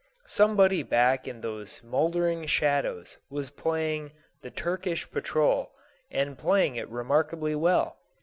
Somebody back in these moldering shadows was playing the "Turkish Patrol," and playing it remarkably well.